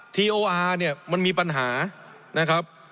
ทีโออาร์เนี่ยมันมีปัญหานะครับ